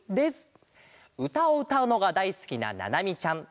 うたをうたうのがだいすきなななみちゃん。